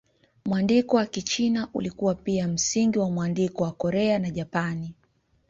Mwandiko wa Kichina ulikuwa pia msingi wa mwandiko wa Korea na Japani.